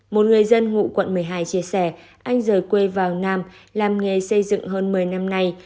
một người dân ngụ quận một mươi hai chia sẻ anh rời quê vào nam làm nghề xây dựng hơn một mươi năm nay